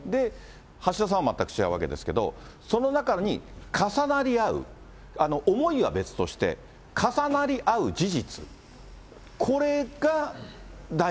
橋田さんは全く違うわけですけれども、その中に重なり合う、思いは別として、重なり合う事実、そうです。